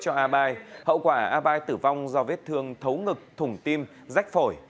trong khi a bên gây thương tiếc cho a bai hậu quả a bai tử vong do vết thương thấu ngực thủng tim rách phổi